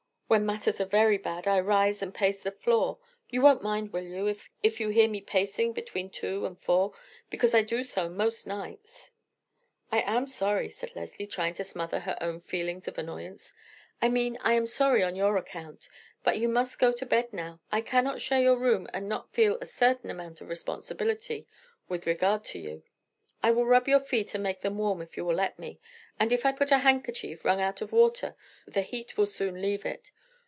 When matters are very bad, I rise and pace the floor. You won't mind, will you, if you hear me pacing between two and four, because I do so most nights?" "I am sorry," said Leslie, trying to smother her own feelings of annoyance. "I mean I am sorry on your account; but you must go to bed now. I cannot share your room and not feel a certain amount of responsibility with regard to you. I will rub your feet and make them warm if you will let me, and if I put a handkerchief, wrung out of water, to your head the heat will soon leave it.